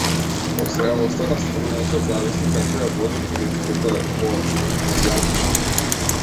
Од зрелоста на средината зависи како ја води политиката воопшто, па и јазичната политика.